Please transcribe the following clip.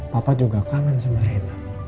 papa juga kangen sama hena